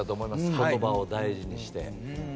言葉を大事にして。